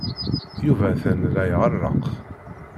Yuba atan la iɣerreq.